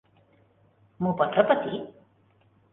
Mho pot repetir?